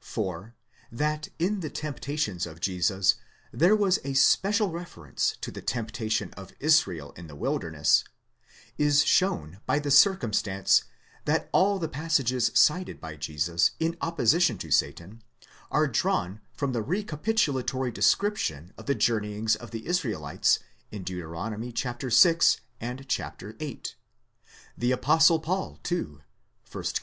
For, that in the temptations of Jesus there was a special reference to the temptation of Israel in the wilderness, is shown by the circumstance that all the passages cited by Jesus in opposition to Satan are drawn from the re capitulatory description of the journeyings of the Israelites in Deut. vi. and viii. The apostle Paul too, 1 Cor.